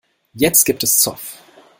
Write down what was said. Jetzt gibt es Zoff.